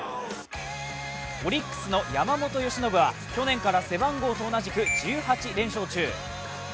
オリックスの山本由伸は去年から背番号と同じく１８連勝中。